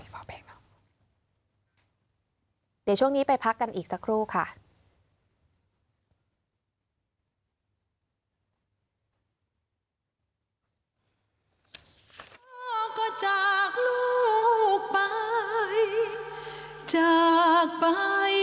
พ่อช่วงนี้ไปพักกันอีกสักครู่ค่ะ